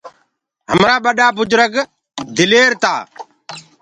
همرآ ڀڏآ بُجرگ بهآدر تآ۔